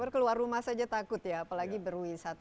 keluar rumah saja takut ya apalagi berwisata